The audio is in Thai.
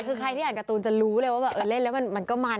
คือใครที่อ่านการ์ตูนจะรู้เลยว่าแบบเล่นแล้วมันก็มัน